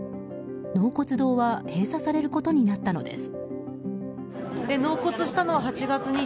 納骨堂は閉鎖されることになったのです。